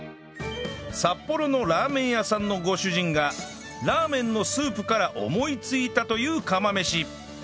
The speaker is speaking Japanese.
札幌のラーメン屋さんのご主人がラーメンのスープから思いついたという釜飯